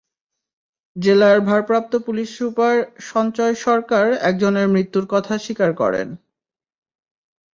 জেলার ভারপ্রাপ্ত police super Sanchay Sarkar একজনের মৃত্যুর কথা স্বীকার করেন।